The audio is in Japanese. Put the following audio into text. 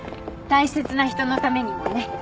大切な人のためにもね。